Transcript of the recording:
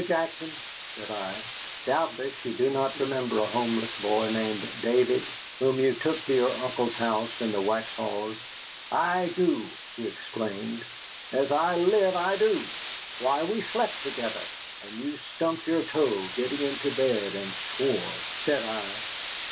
Jackson," said I, "doubtless you do not remember a homeless boy named David whom you took to your uncle's house in the Waxhaws " "I do," he exclaimed, "as I live I do. Why, we slept together." "And you stumped your toe getting into bed and swore," said I.